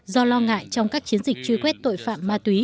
do lo ngại trong các chiến dịch truy quét tội phạm ma túy